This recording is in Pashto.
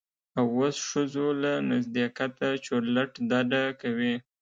او اوس ښځو سره له نږدیکته چورلټ ډډه کوي.